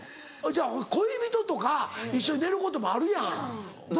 じゃあ恋人とか一緒に寝ることもあるやん。